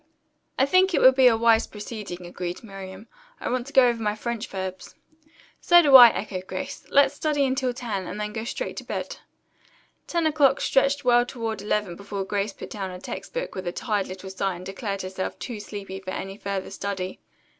"I think it would be a wise proceeding," agreed Miriam. "I want to go over my French verbs." "So do I," echoed Grace. "Let's study until ten, and then go straight to bed." Ten o'clock stretched well toward eleven before Grace put down her text book with a tired little sigh and declared herself too sleepy for further study.